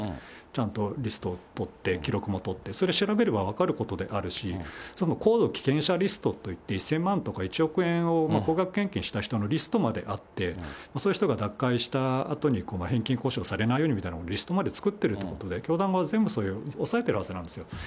ちゃんとリストとって、記録も取って、それ調べれば分かることであるし、高度危険者リストといって、１０００万とか１億円を高額献金した人のリストまであって、そういう人が脱会したあとに返金交渉をされないようにということでリストまで作ってることもあって、教団側は全部それを押さえてるはずなんですよ。